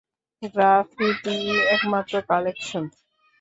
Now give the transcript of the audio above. গ্রাফিতিই একমাত্র কানেকশন।